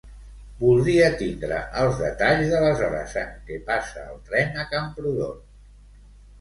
Voldria tindre els detalls de les hores en què passa el tren a Camprodon.